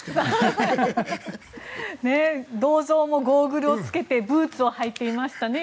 銅像もゴーグルを着けてブーツを履いていましたね。